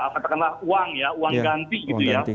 katakanlah uang ya uang ganti gitu ya